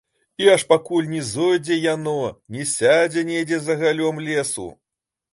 І аж пакуль не зойдзе яно, не сядзе недзе за галлём лесу.